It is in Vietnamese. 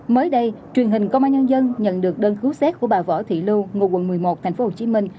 mới đây truyền hình công an nhân dân nhận được đơn khu xét của bà võ thị lưu ngôi quận một mươi một tp hcm